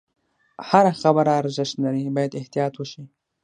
هره خبره ارزښت لري، باید احتیاط وشي.